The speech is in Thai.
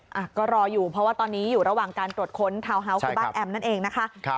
อ่ะก็รออยู่เพราะว่าตอนนี้อยู่ระหว่างการตรวจค้นทาวน์ฮาวส์คือบ้านแอมนั่นเองนะคะ